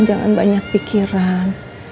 jangan banyak pikiran